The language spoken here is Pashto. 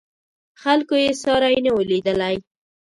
خلکو یې ساری نه و لیدلی.